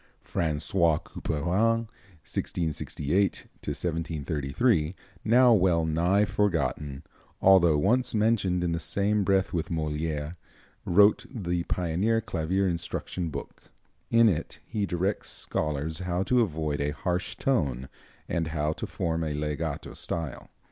François Couperin (1668 1733), now well nigh forgotten, although once mentioned in the same breath with Molière, wrote the pioneer clavier instruction book. In it he directs scholars how to avoid a harsh tone, and how to form a legato style.